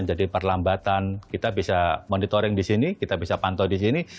perlambatan kita bisa monitoring di sini kita bisa pantau di sini